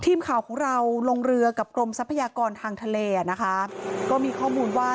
ทีมข่าวของเราลงเรือกับกรมทรัพยากรทางทะเลอ่ะนะคะก็มีข้อมูลว่า